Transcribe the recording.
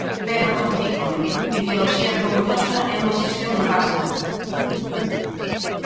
Pero ratifícome: ideoloxía vergonzosa e unha xestión nefasta.